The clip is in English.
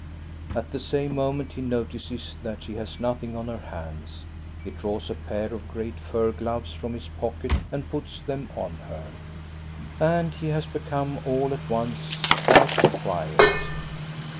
At the same moment he notices that she has noth ing on her hands. He draws a pair of great fur gloves from his pocket and puts them on her. And he has become all at once quite quiet.